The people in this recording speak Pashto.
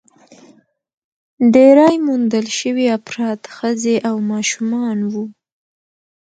ډېری موندل شوي افراد ښځې او ماشومان وو.